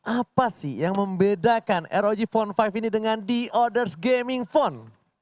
apa sih yang membedakan rog phone lima ini dengan the others gaming phone